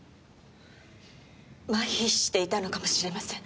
マヒしていたのかもしれません。